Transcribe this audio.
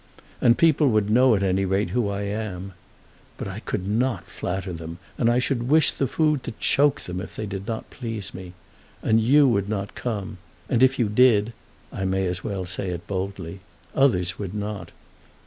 And people would know at any rate who I am. But I could not flatter them, and I should wish the food to choke them if they did not please me. And you would not come, and if you did, I may as well say it boldly, others would not.